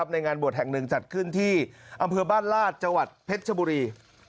ในงานบวชแห่งหนึ่งจัดขึ้นที่อำเภอบ้านลาดจังหวัดเพชรชบุรี